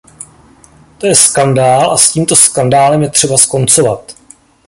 To je skandál a s tímto skandálem je třeba skoncovat.